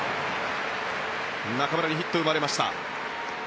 中村にヒットが生まれました。